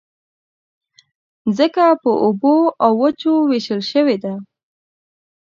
مځکه پر اوبو او وچو وېشل شوې ده.